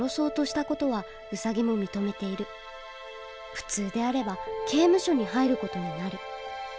普通であれば刑務所に入る事になる。